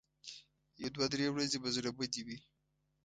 یو دوه درې ورځې به زړه بدې وي.